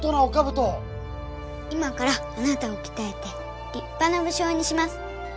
今からあなたをきたえてりっぱな武将にします。